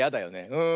うん。